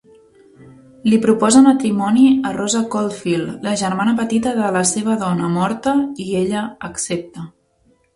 Li proposa matrimoni a Rosa Coldfield, la germana petita de la seva dona morta, i ella accepta.